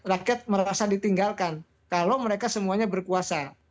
rakyat merasa ditinggalkan kalau mereka semuanya berkuasa